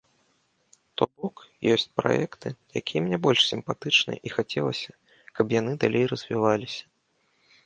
То бок, ёсць праекты, якія мне больш сімпатычныя і хацелася, каб яны далей развіваліся.